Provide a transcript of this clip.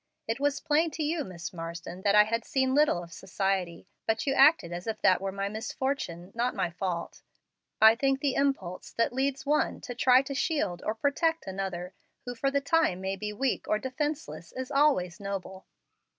It was plain to you, Miss Marsden, that I had seen little of society, but you acted as if that were my misfortune, not my fault. I think the impulse that leads one to try to shield or protect another who for the time may be weak or defenceless is always noble."